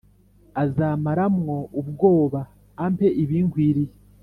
Azamaramwo ubwoba ampe ibinkwiriye